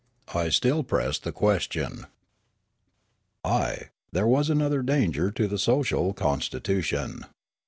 I still pressed the ques tion. " Ay, that was another danger to the social constitu tion.